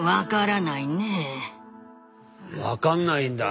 分かんないんだ。